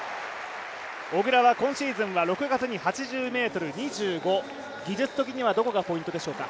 小椋は今シーズン８２ｍ２５、技術的にはどこがポイントでしょうか。